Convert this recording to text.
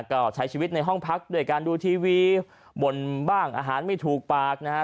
ก็ใช้ชีวิตในห้องพักด้วยการดูทีวีบ่นบ้างอาหารไม่ถูกปากนะฮะ